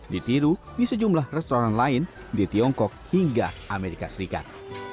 ditiru di sejumlah restoran lain di tiongkok hingga amerika serikat